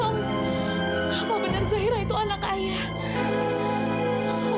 apa benar cahira itu anak ayah